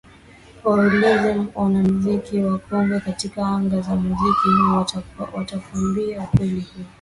Waulize wanamuziki wakongwe katika anga za muziki huu watakwambia ukweli huu